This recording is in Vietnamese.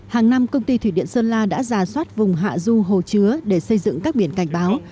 hàng năm công ty thủy điện sơn la đã giả soát vùng hạ du hồ chứa để xây dựng các biển cảnh báo